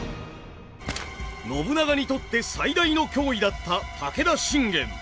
信長にとって最大の脅威だった武田信玄。